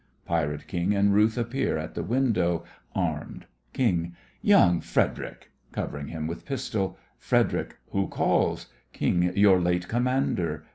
(PIRATE KING and RUTH appear at the window, armed.) KING: Young Frederic! (Covering him with pistol) FREDERIC: Who calls? KING: Your late commander!